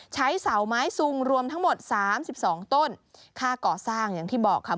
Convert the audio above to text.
ใช้เสาไม้ซุงรวมทั้งหมดสามสิบสองต้นค่าก่อสร้างอย่างที่บอกค่ะ